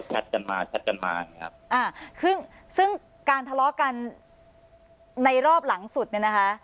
แชทกันมาแชทกันมาอ่าคือซึ่งการทะเลาะกันในรอบหลังสุดเนี่ยนะคะ